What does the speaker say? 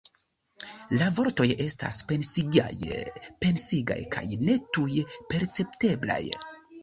La vortoj estas pensigaj kaj ne tuj percepteblaj.